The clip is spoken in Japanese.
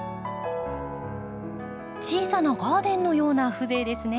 小さなガーデンのような風情ですね。